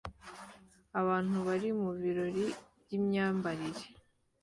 abantu bari mubirori byimyambarire